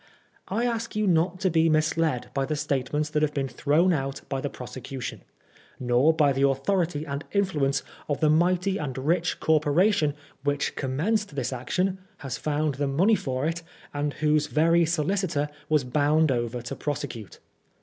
I ask you not to be misled by the statements that have been thrown out by the prosecution, nor by the authority and influence of the mighty and rich Corporation which commenced this action, has found the money for it, and whose very solicitor was bound over to prosecute.